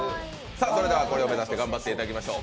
これを目指して頑張っていただきましょう。